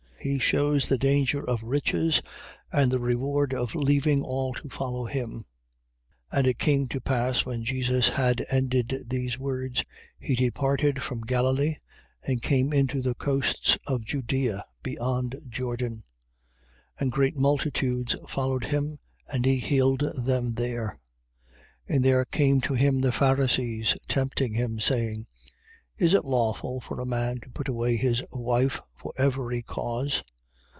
He shews the danger of riches, and the reward of leaving all to follow him. 19:1. And it came to pass when Jesus had ended these words, he departed from Galilee and came into the coasts of Judea, beyond Jordan. 19:2. And great multitudes followed him: and he healed them there. 19:3. And there came to him the Pharisees tempting him, saying: Is it lawful for a man to put away his wife for every cause?